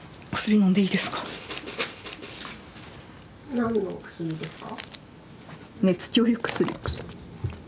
何の薬ですか？